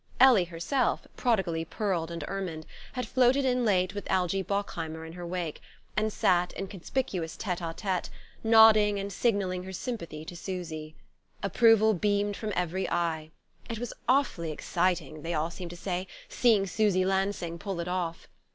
Ellie herself, prodigally pearled and ermined, had floated in late with Algie Bockheimer in her wake, and sat, in conspicuous tête à tête, nodding and signalling her sympathy to Susy. Approval beamed from every eye: it was awfully exciting, they all seemed to say, seeing Susy Lansing pull it off!